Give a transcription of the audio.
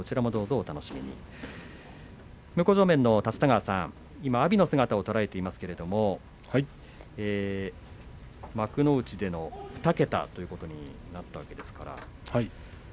向正面の立田川さん阿炎の姿を捉えていますけども幕内での２桁ということになったわけですね。